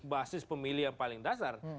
bahkan itu basis pemilih yang paling dasar